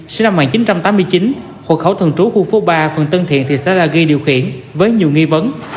sinh năm một nghìn chín trăm tám mươi chín hộ khẩu thường trú khu phố ba phường tân thiện thị xã la ghi điều khiển với nhiều nghi vấn